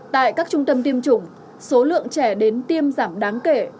tại các trung tâm tiêm chủng số lượng trẻ đến tiêm giảm đáng kể